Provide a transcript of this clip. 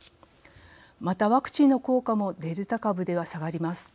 また、ワクチンの効果もデルタ株では下がります。